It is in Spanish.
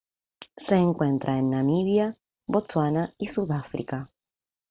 Se encuentra en Namibia, Botsuana y Sudáfrica.